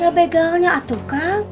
ya begalnya atuh kang